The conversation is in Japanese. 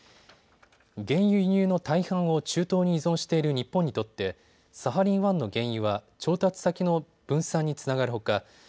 原油輸入の大半を中東に依存している日本にとってサハリン１の原油は調達先の分散につながるほか